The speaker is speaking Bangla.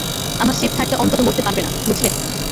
আমার শিফট থাকতে অন্তত মরতে পারবে না, বুঝলে?